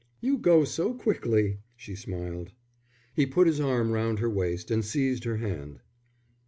"You go so quickly," she smiled. He put his arm round her waist and seized her hand.